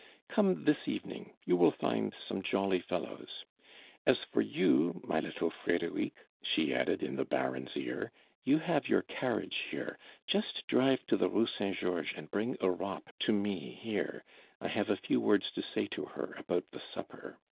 Come this evening; you will find some jolly fellows. As for you, my little Frederic," she added in the Baron's ear, "you have your carriage here just drive to the Rue Saint Georges and bring Europe to me here; I have a few words to say to her about the supper.